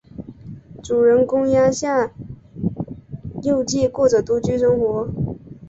主人公鸭下佑介过着独居生活。